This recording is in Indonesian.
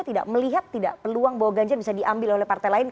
tidak melihat tidak peluang bahwa ganjar bisa diambil oleh partai lain